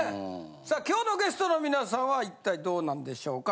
さあ今日のゲストの皆さんは一体どうなんでしょうか？